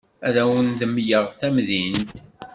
Ad awen-d-mleɣ tamdint.